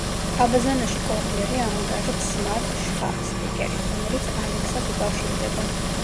აბაზანაში „კოჰლერი“ ამონტაჟებს „სმარტ“ შხაპს სპიკერით, რომელიც „ალექსას“ უკავშირდება.